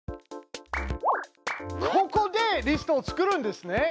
ここでリストを作るんですね！